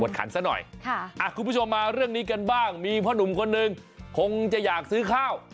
บทขันซะหน่อยคุณผู้ชมมาเรื่องนี้กันบ้างมีพ่อหนุ่มคนนึงคงจะอยากซื้อข้าว